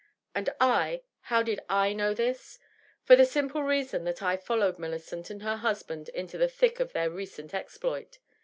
And I — ^how did I know this ? For the simple reason that I fol lowed Millicent and her husband into the thick of their recent exploit.